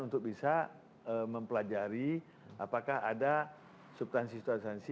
untuk bisa mempelajari apakah ada subtansi subtansi